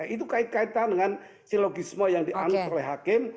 itu kait kaitan dengan si logisme yang dianus oleh hakim